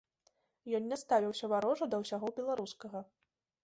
Ён не ставіўся варожа да ўсяго беларускага.